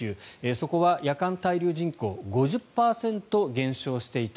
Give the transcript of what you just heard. そこは夜間滞留人口５０％減少していた。